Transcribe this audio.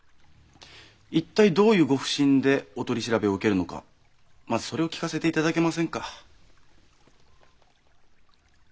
一体どういうご不審でお取り調べを受けるのかまずそれを聞かせて頂けませんか？